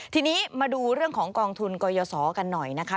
ทีนี้มาดูเรื่องของกองทุนกยศกันหน่อยนะคะ